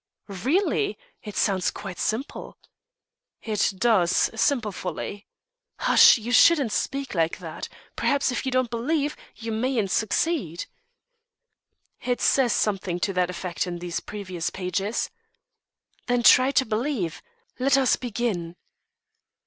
"Really! It sounds quite simple." "It does simple folly." "Hush! You shouldn't speak like that. Perhaps, if you don't believe, you mayn't succeed." "It says something to that effect in these precious pages." "Then try to believe. Let us begin."